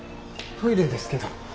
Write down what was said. トイレですけど。